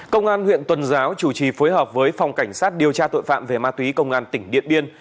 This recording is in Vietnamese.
công an huyện tuần giáo chủ trì phối hợp với phòng cảnh sát điều tra tội phạm về ma túy công an tỉnh điện biên